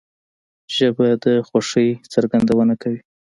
ژبه د خوښۍ څرګندونه کوي